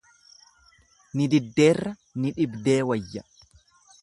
Ni diddeerra ni dhibdee wayya.